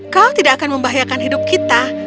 kau tidak akan membahayakan hidup kita